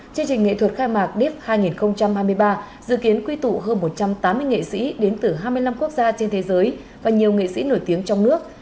chương trình nghệ thuật khai mạc diep hai nghìn hai mươi ba dự kiến quy tụ hơn một trăm tám mươi nghệ sĩ đến từ hai mươi năm quốc gia trên thế giới và nhiều nghệ sĩ nổi tiếng trong nước